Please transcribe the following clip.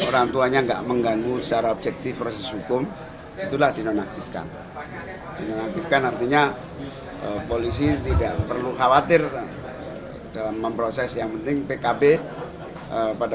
dan tentu harus prosesinya mungkin kita periapkan bersama sama